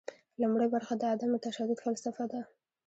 لومړۍ برخه د عدم تشدد فلسفه ده.